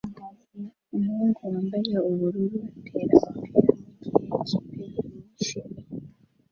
Umuhungu wambaye ubururu atera umupira mugihe ikipe ye imwishimiye